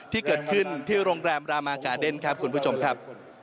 ที่เกิดขึ้นที่โรงแรมรามากาเดนครับคุณผู้ชมครับ